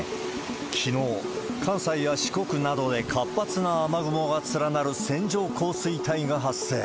きのう、関西や四国などで活発な雨雲が連なる線状降水帯が発生。